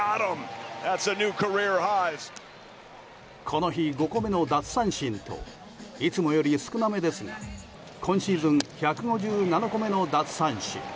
この日、５個目の奪三振といつもより少なめですが今シーズン１５７個目の奪三振。